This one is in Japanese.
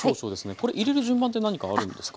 これ入れる順番って何かあるんですか？